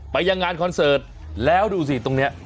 ยังงานคอนเสิร์ตแล้วดูสิตรงนี้